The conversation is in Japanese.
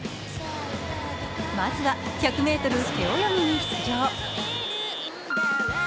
まずは１００ｍ背泳ぎに出場。